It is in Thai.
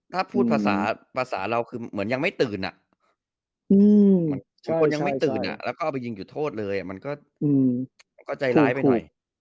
ถ้าพูดภาษาภาษาเราคือเหมือนยังไม่ตื่นคือคนยังไม่ตื่นแล้วก็เอาไปยิงจุดโทษเลยมันก็ใจร้ายไปหน่อย